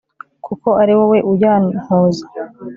kuko ari wowe uyantoza